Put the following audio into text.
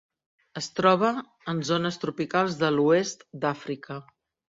Es troba en zones tropicals de l'oest d'Àfrica.